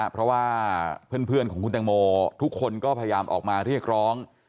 เพราะว่าเพื่อนของคุณตังโมทุกคนก็พยายามออกมาเรียกร้อง